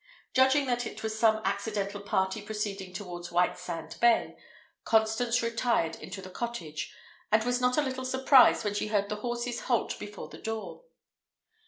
Judging that it was some accidental party proceeding towards Whitesand Bay, Constance retired into the cottage, and was not a little surprised when she heard the horses halt before the door.